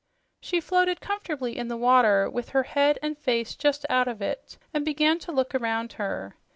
She floated comfortably in the water, with her head and face just out of it, and began to look around her.